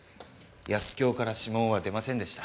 薬莢から指紋は出ませんでした。